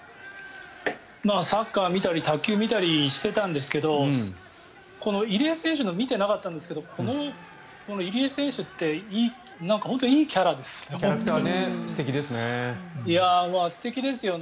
サッカーを見たり卓球を見たりしていたんですけどこの入江選手の見てなかったんですけどこの入江選手ってなんか本当にいいキャラですね。